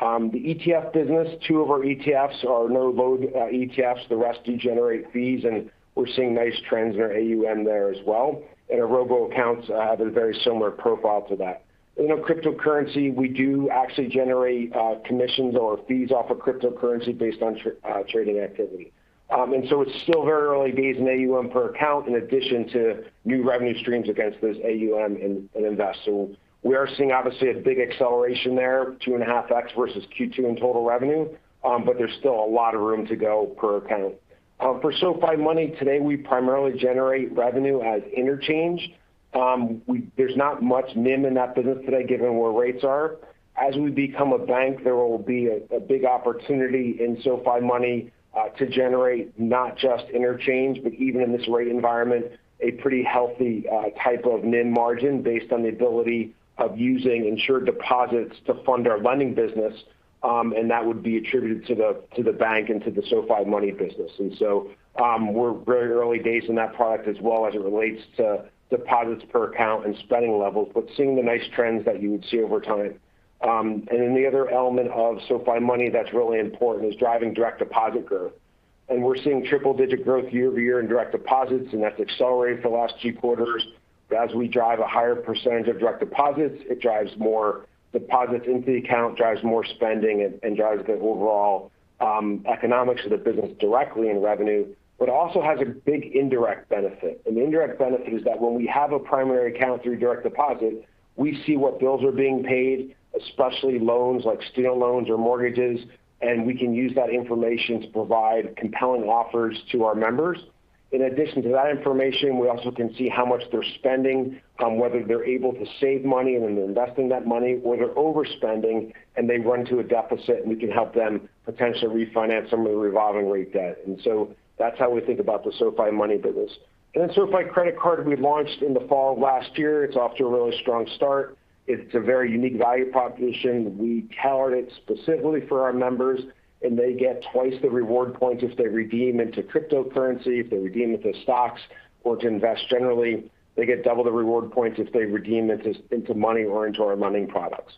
The ETF business, two of our ETFs are low load ETFs. The rest do generate fees, and we're seeing nice trends in our AUM there as well. Our robo accounts have a very similar profile to that. In our cryptocurrency, we do actually generate commissions or fees off of cryptocurrency based on trading activity. It's still very early days in AUM per account in addition to new revenue streams against those AUM in SoFi Invest. We are seeing obviously a big acceleration there, 2.5x versus Q2 in total revenue. There's still a lot of room to go per account. For SoFi Money, today we primarily generate revenue as interchange. There's not much NIM in that business today, given where rates are. As we become a bank, there will be a big opportunity in SoFi Money to generate not just interchange, but even in this rate environment, a pretty healthy type of NIM margin based on the ability of using insured deposits to fund our lending business. That would be attributed to the bank and to the SoFi Money business. We're very early days in that product as well as it relates to deposits per account and spending levels, but seeing the nice trends that you would see over time. The other element of SoFi Money that's really important is driving direct deposit growth. We're seeing triple-digit growth year-over-year in direct deposits, and that's accelerated for the last two quarters. As we drive a higher percentage of direct deposits, it drives more deposits into the account, drives more spending, and drives the overall economics of the business directly in revenue. Also has a big indirect benefit. The indirect benefit is that when we have a primary account through direct deposit, we see what bills are being paid, especially loans like student loans or mortgages, and we can use that information to provide compelling offers to our members. In addition to that information, we also can see how much they're spending, whether they're able to save money and then they're investing that money, or they're overspending and they run to a deficit, and we can help them potentially refinance some of the revolving rate debt. That's how we think about the SoFi Money business. Then SoFi Credit Card we launched in the fall of last year. It's off to a really strong start. It's a very unique value proposition. We tailored it specifically for our members, and they get twice the reward points if they redeem into cryptocurrency, if they redeem into stocks or to invest generally. They get double the reward points if they redeem into money or into our money products.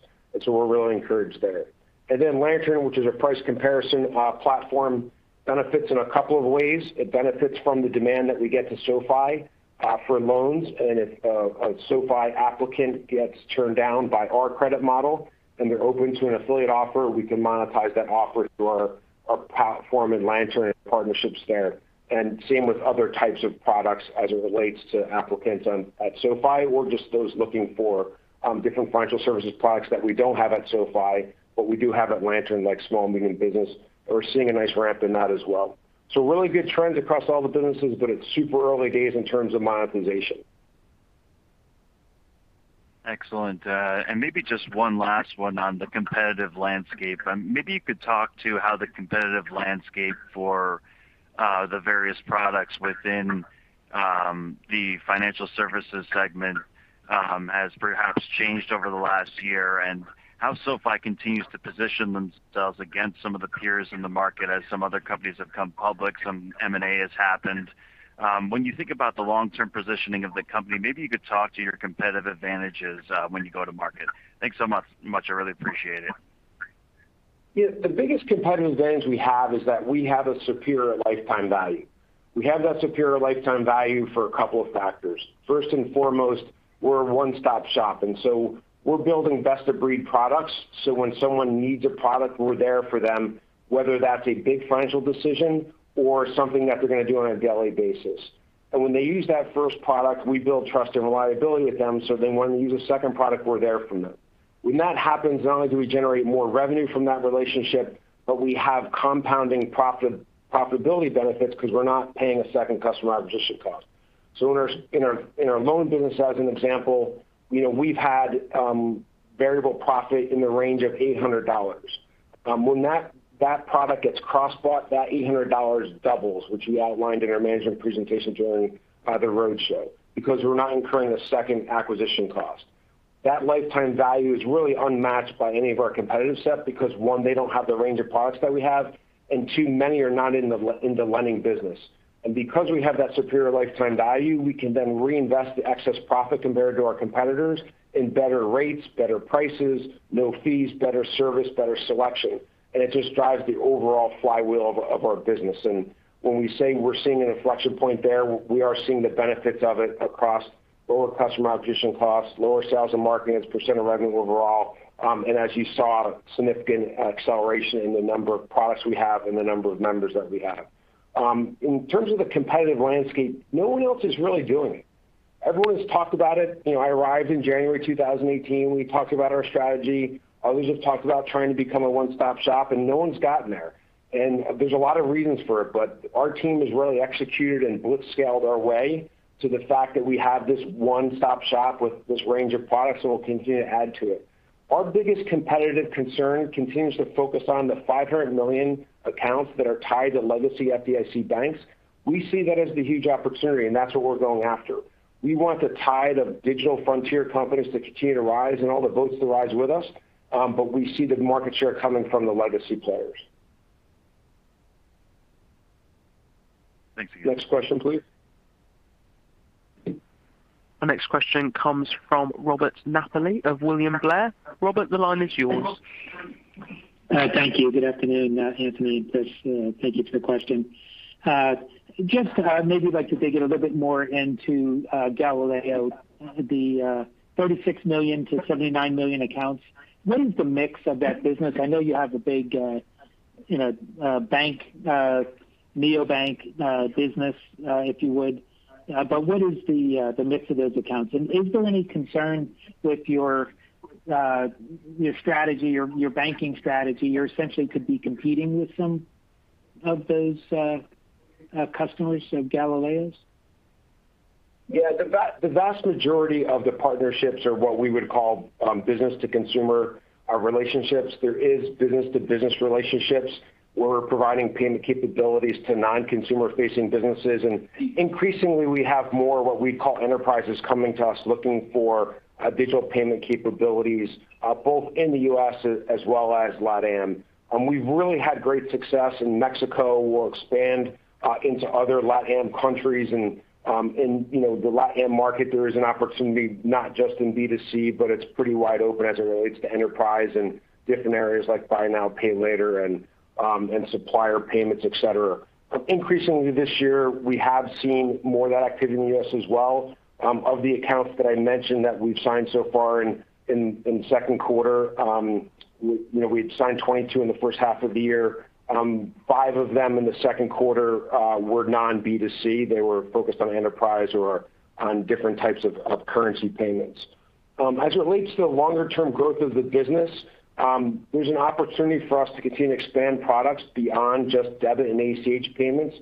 We're really encouraged there. Then Lantern, which is a price comparison platform, benefits in a couple of ways. It benefits from the demand that we get to SoFi for loans. If a SoFi applicant gets turned down by our credit model and they're open to an affiliate offer, we can monetize that offer through our platform and Lantern partnerships there. Same with other types of products as it relates to applicants at SoFi or just those looking for different financial services products that we don't have at SoFi, but we do have at Lantern, like small and medium business. We're seeing a nice ramp in that as well. Really good trends across all the businesses, but it's super early days in terms of monetization. Excellent. Maybe just one last one on the competitive landscape. Maybe you could talk to how the competitive landscape for the various products within the financial services segment has perhaps changed over the last year. How SoFi continues to position themselves against some of the peers in the market as some other companies have come public, some M&A has happened. When you think about the long-term positioning of the company, maybe you could talk to your competitive advantages when you go to market. Thanks so much. I really appreciate it. The biggest competitive advantage we have is that we have a superior lifetime value. We have that superior lifetime value for two factors. First and foremost, we're a one-stop shop, we're building best-of-breed products. When someone needs a product, we're there for them, whether that's a big financial decision or something that they're going to do on a daily basis. When they use that first product, we build trust and reliability with them, when they want to use a second product, we're there for them. When that happens, not only do we generate more revenue from that relationship, but we have compounding profitability benefits because we're not paying a second customer acquisition cost. In our loan business, as an example, we've had variable profit in the range of $800. When that product gets cross-bought, that $800 doubles, which we outlined in our management presentation during the roadshow, because we're not incurring a second acquisition cost. That lifetime value is really unmatched by any of our competitive set because, one, they don't have the range of products that we have, and two, many are not in the lending business. Because we have that superior lifetime value, we can then reinvest the excess profit compared to our competitors in better rates, better prices, no fees, better service, better selection. It just drives the overall flywheel of our business. When we say we're seeing an inflection point there, we are seeing the benefits of it across lower customer acquisition costs, lower sales and marketing as a percentage of revenue overall. As you saw, significant acceleration in the number of products we have and the number of members that we have. In terms of the competitive landscape, no one else is really doing it. Everyone's talked about it. I arrived in January 2018. We talked about our strategy. Others have talked about trying to become a one-stop shop, and no one's gotten there. There's a lot of reasons for it, but our team has really executed and blitzscaled our way to the fact that we have this one-stop shop with this range of products, and we'll continue to add to it. Our biggest competitive concern continues to focus on the 500 million accounts that are tied to legacy FDIC banks. We see that as the huge opportunity, and that's what we're going after. We want the tide of digital frontier companies to continue to rise and all the boats to rise with us. We see the market share coming from the legacy players. Thanks again. Next question, please. The next question comes from Robert Napoli of William Blair. Robert, the line is yours. Thank you. Good afternoon, Anthony and Chris. Thank you for the question. Maybe like to dig in a little bit more into Galileo, the 36 million-79 million accounts. What is the mix of that business? I know you have a big neobank business if you would. What is the mix of those accounts? Is there any concern with your banking strategy? You essentially could be competing with some of those customers of Galileo's? Yeah. The vast majority of the partnerships are what we would call business-to-consumer relationships. There is business-to-business relationships where we're providing payment capabilities to non-consumer-facing businesses. Increasingly, we have more what we call enterprises coming to us, looking for digital payment capabilities, both in the U.S. as well as LATAM. We've really had great success in Mexico. We'll expand into other LATAM countries. In the LATAM market, there is an opportunity, not just in B2C, but it's pretty wide open as it relates to enterprise and different areas like buy now, pay later and supplier payments, et cetera. Increasingly this year, we have seen more of that activity in the U.S. as well. Of the accounts that I mentioned that we've signed so far in the second quarter, we'd signed 22 in the first half of the year. Five of them in the second quarter were non-B2C. They were focused on enterprise or on different types of currency payments. As it relates to the longer-term growth of the business, there's an opportunity for us to continue to expand products beyond just debit and ACH payments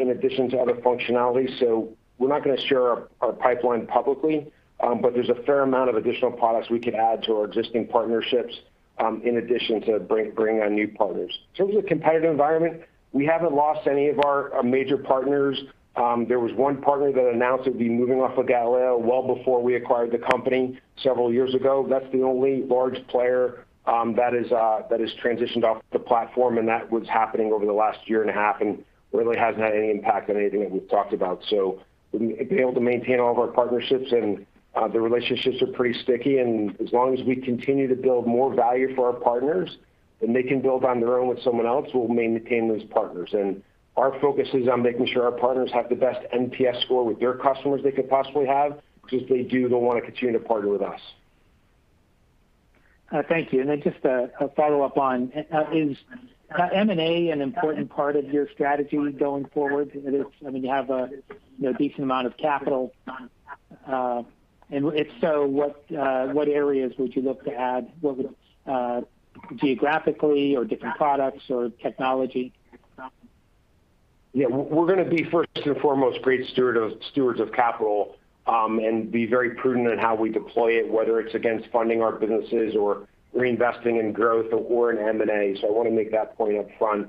in addition to other functionalities. We're not going to share our pipeline publicly, but there's a fair amount of additional products we could add to our existing partnerships, in addition to bring on new partners. In terms of the competitive environment, we haven't lost any of our major partners. There was one partner that announced it'd be moving off of Galileo well before we acquired the company several years ago. That's the only large player that has transitioned off the platform, and that was happening over the last year and a half years and really hasn't had any impact on anything that we've talked about. We've been able to maintain all of our partnerships, and the relationships are pretty sticky. As long as we continue to build more value for our partners than they can build on their own with someone else, we'll maintain those partners. Our focus is on making sure our partners have the best NPS score with their customers they could possibly have, because if they do, they'll want to continue to partner with us. Thank you. Just a follow-up on. Is M&A an important part of your strategy going forward? You have a decent amount of capital. If so, what areas would you look to add? Geographically or different products or technology? We're going to be first and foremost great stewards of capital, and be very prudent in how we deploy it, whether it's against funding our businesses or reinvesting in growth or in M&A. I want to make that point up front.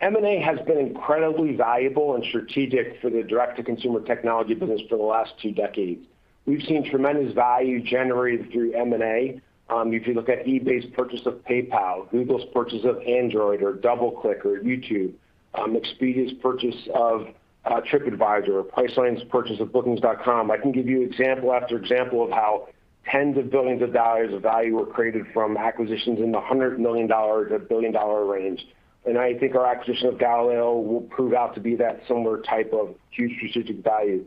M&A has been incredibly valuable and strategic for the direct-to-consumer technology business for the last two decades. We've seen tremendous value generated through M&A. If you look at eBay's purchase of PayPal, Google's purchase of Android or DoubleClick or YouTube, Expedia's purchase of Tripadvisor, Priceline's purchase of Booking.com. I can give you example after example of how tens of billions of dollars of value were created from acquisitions in the $100 million-$1 billion range. I think our acquisition of Galileo will prove out to be that similar type of huge strategic value.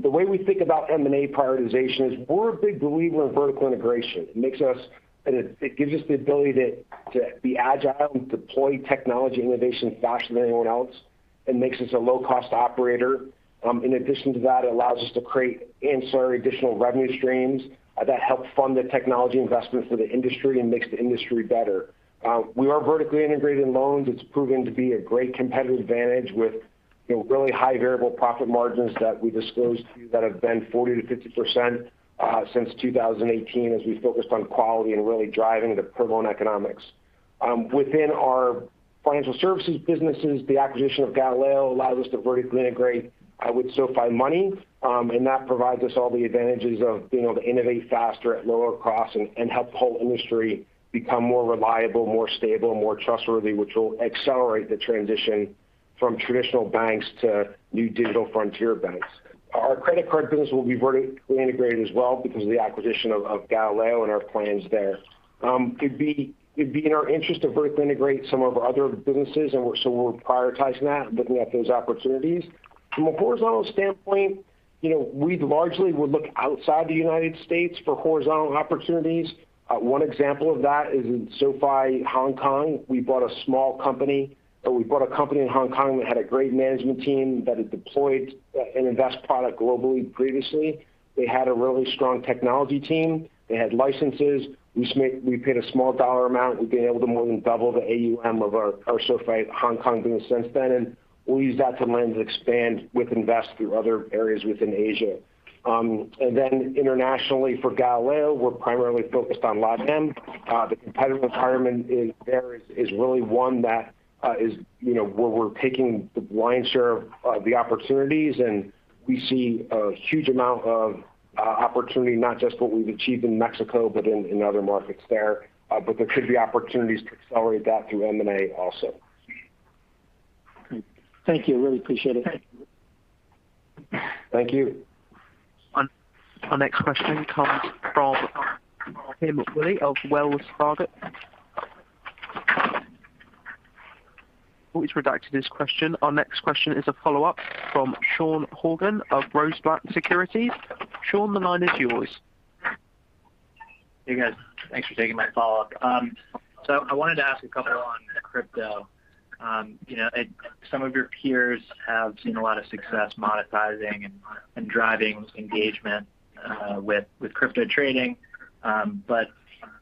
The way we think about M&A prioritization is we're a big believer in vertical integration. It gives us the ability to be agile and deploy technology innovation faster than anyone else and makes us a low-cost operator. It allows us to create ancillary additional revenue streams that help fund the technology investment for the industry and makes the industry better. We are vertically integrated in loans. It's proven to be a great competitive advantage with really high variable profit margins that we disclosed to you that have been 40%-50% since 2018, as we focused on quality and really driving the pro loan economics. Within our financial services businesses, the acquisition of Galileo allowed us to vertically integrate with SoFi Money. That provides us all the advantages of being able to innovate faster at lower costs and help the whole industry become more reliable, more stable, and more trustworthy, which will accelerate the transition from traditional banks to new digital frontier banks. Our credit card business will be vertically integrated as well because of the acquisition of Galileo and our plans there. It'd be in our interest to vertically integrate some of our other businesses, we're prioritizing that and looking at those opportunities. From a horizontal standpoint, we largely would look outside the U.S. for horizontal opportunities. One example of that is in SoFi Hong Kong. We bought a small company. We bought a company in Hong Kong that had a great management team that had deployed an invest product globally previously. They had a really strong technology team. They had licenses. We paid a small dollar amount. We've been able to more than double the AUM of our SoFi Hong Kong business since then. We'll use that to lend and expand with invest through other areas within Asia. Internationally for Galileo, we're primarily focused on LATAM. The competitive environment there is really one that is where we're taking the lion's share of the opportunities, and we see a huge amount of opportunity, not just what we've achieved in Mexico, but in other markets there. There could be opportunities to accelerate that through M&A also. Okay. Thank you. Really appreciate it. Thank you. Our next question comes from Tim Willi of Wells Fargo. Willi's redacted his question. Our next question is a follow-up from Sean Horgan of Rosenblatt Securities. Sean, the line is yours. Hey, guys. Thanks for taking my follow-up. I wanted to ask a couple on crypto. Some of your peers have seen a lot of success monetizing and driving engagement with crypto trading, but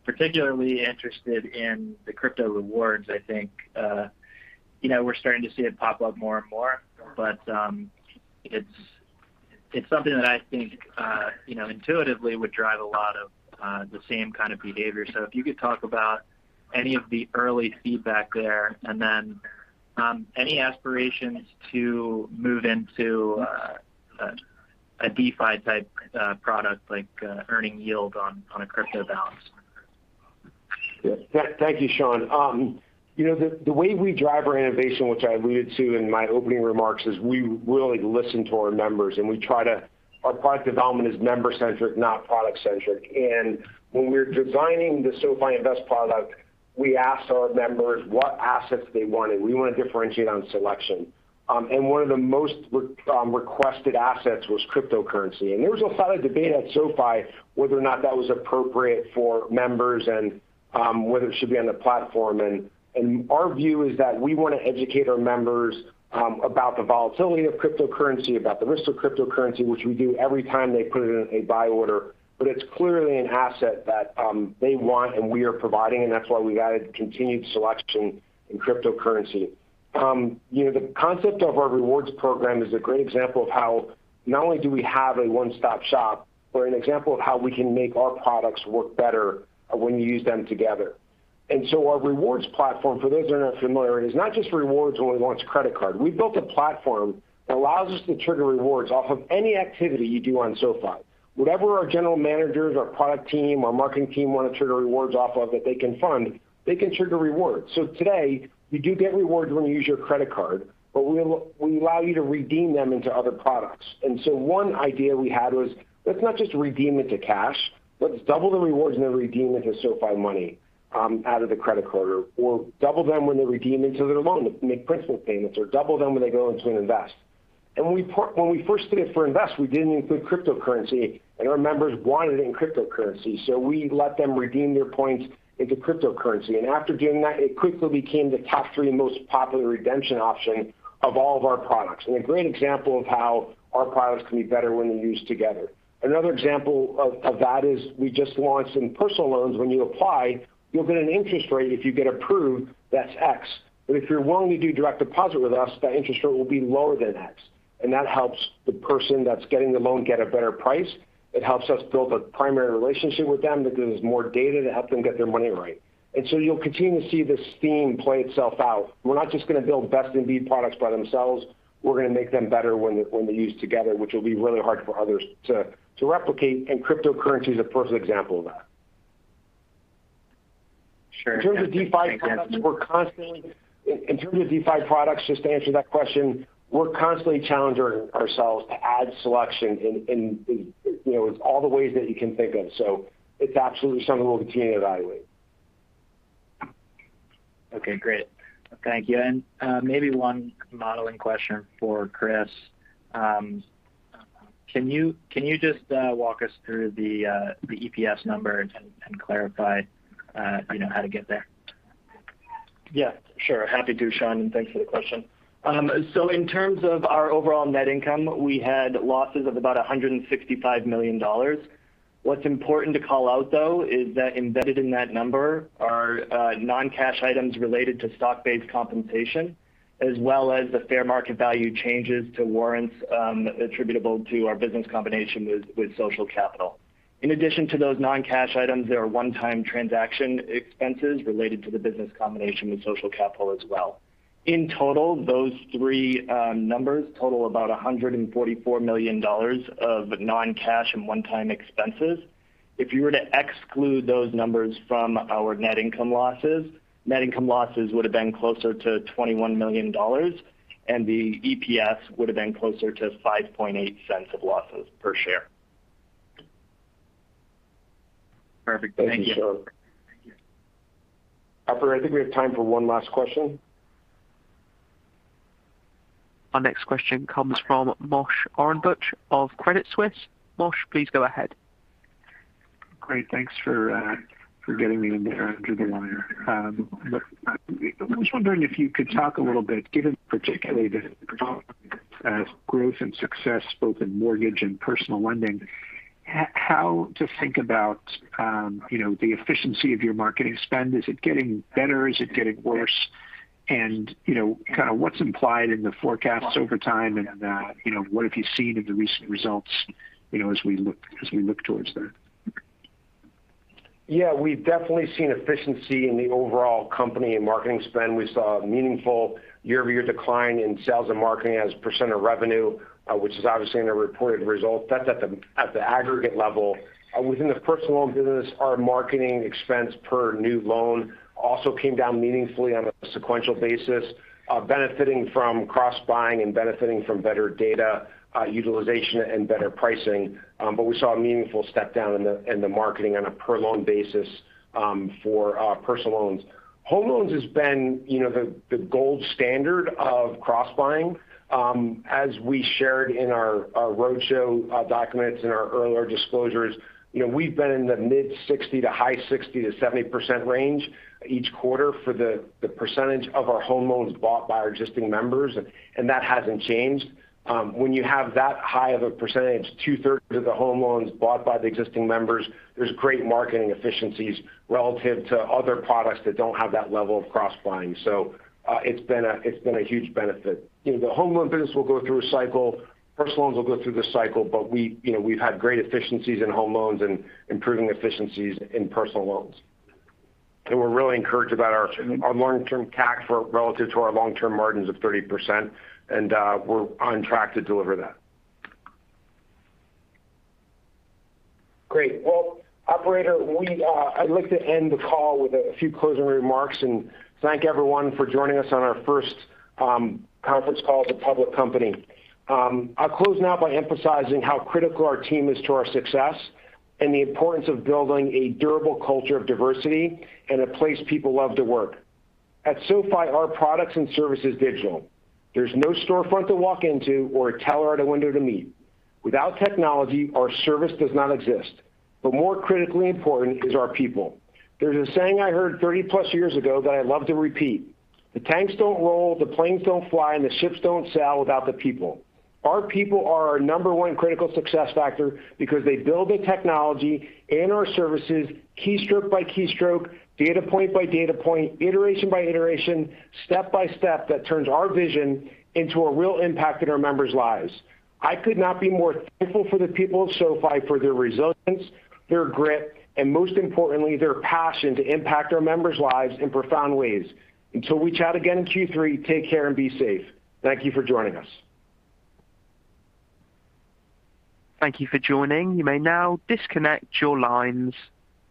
particularly interested in the crypto rewards, I think. We're starting to see it pop up more and more, but it's something that I think intuitively would drive a lot of the same kind of behavior. If you could talk about any of the early feedback there, and then any aspirations to move into a DeFi-type product, like earning yield on a crypto balance. Yeah. Thank you, Sean. The way we drive our innovation, which I alluded to in my opening remarks, is we really listen to our members, and our product development is member-centric, not product-centric. When we're designing the SoFi Invest product, we asked our members what assets they wanted. We want to differentiate on selection. One of the most requested assets was cryptocurrency. There was a lot of debate at SoFi whether or not that was appropriate for members and whether it should be on the platform. Our view is that we want to educate our members about the volatility of cryptocurrency, about the risk of cryptocurrency, which we do every time they put it in a buy order. It's clearly an asset that they want, and we are providing, and that's why we added continued selection in cryptocurrency. The concept of our rewards program is a great example of how not only do we have a one-stop shop, but an example of how we can make our products work better when you use them together. Our rewards platform, for those who are not familiar, is not just rewards when we launch a credit card. We built a platform that allows us to trigger rewards off of any activity you do on SoFi. Whatever our general managers, our product team, our marketing team want to trigger rewards off of that they can fund, they can trigger rewards. Today, you do get rewards when you use your credit card, but we allow you to redeem them into other products. One idea we had was, let's not just redeem it to cash, let's double the rewards and then redeem it to SoFi Money out of the Credit Card, or double them when they redeem into their loan to make principal payments, or double them when they go into an Invest. When we first did it for Invest, we didn't include cryptocurrency, and our members wanted it in cryptocurrency. We let them redeem their points into cryptocurrency. After doing that, it quickly became the top three most popular redemption option of all of our products. A great example of how our products can be better when they're used together. Another example of that is we just launched in personal loans, when you apply, you'll get an interest rate if you get approved, that's X. If you're willing to do direct deposit with us, that interest rate will be lower than X. That helps the person that's getting the loan get a better price. It helps us build a primary relationship with them because there's more data to help them get their money right. You'll continue to see this theme play itself out. We're not just going to build best-in-need products by themselves. We're going to make them better when they're used together, which will be really hard for others to replicate. Cryptocurrency is a perfect example of that. Sure. In terms of DeFi products, just to answer that question, we're constantly challenging ourselves to add selection in all the ways that you can think of. It's absolutely something we'll continue to evaluate. Okay, great. Thank you. Maybe one modeling question for Chris. Can you just walk us through the EPS numbers and clarify how to get there? Yeah, sure. Happy to, Sean, and thanks for the question. In terms of our overall net income, we had losses of about $165 million. What's important to call out, though, is that embedded in that number are non-cash items related to stock-based compensation, as well as the fair market value changes to warrants attributable to our business combination with Social Capital. In addition to those non-cash items, there are one-time transaction expenses related to the business combination with Social Capital as well. In total, those three numbers total about $144 million of non-cash and one-time expenses. If you were to exclude those numbers from our net income losses, net income losses would have been closer to $21 million, and the EPS would have been closer to $0.058 of losses per share. Perfect. Thank you. Operator, I think we have time for one last question. Our next question comes from Moshe Orenbuch of Credit Suisse. Moshe, please go ahead. Great. Thanks for getting me in there under the wire. I was wondering if you could talk a little bit, given particularly the strong growth and success both in mortgage and personal lending, how to think about the efficiency of your marketing spend. Is it getting better? Is it getting worse? What's implied in the forecasts over time, and what have you seen in the recent results as we look towards that? We've definitely seen efficiency in the overall company and marketing spend. We saw a meaningful year-over-year decline in sales and marketing as a percent of revenue, which is obviously in the reported result. That's at the aggregate level. Within the personal loan business, our marketing expense per new loan also came down meaningfully on a sequential basis, benefiting from cross-buying and benefiting from better data utilization and better pricing. We saw a meaningful step down in the marketing on a per-loan basis for personal loans. Home loans has been the gold standard of cross-buying. As we shared in our roadshow documents and our earlier disclosures, we've been in the mid-60% to high 60%-70% range each quarter for the percentage of our home loans bought by our existing members, and that hasn't changed. When you have that high of a percentage, two-thirds of the home loans bought by the existing members, there's great marketing efficiencies relative to other products that don't have that level of cross-buying. It's been a huge benefit. The home loan business will go through a cycle. Personal loans will go through the cycle. We've had great efficiencies in home loans and improving efficiencies in personal loans. We're really encouraged about our long-term CAC relative to our long-term margins of 30%, and we're on track to deliver that. Great. Well, operator, I'd like to end the call with a few closing remarks and thank everyone for joining us on our first conference call as a public company. I'll close now by emphasizing how critical our team is to our success and the importance of building a durable culture of diversity and a place people love to work. At SoFi, our product and service is digital. There's no storefront to walk into or a teller at a window to meet. Without technology, our service does not exist. More critically important is our people. There's a saying I heard 30+ years ago that I love to repeat, "The tanks don't roll, the planes don't fly, and the ships don't sail without the people." Our people are our number one critical success factor because they build the technology and our services keystroke by keystroke, data point by data point, iteration by iteration, step by step that turns our vision into a real impact in our members' lives. I could not be more thankful for the people of SoFi for their resilience, their grit, and most importantly, their passion to impact our members' lives in profound ways. Until we chat again in Q3, take care and be safe. Thank you for joining us. Thank you for joining. You may now disconnect your lines.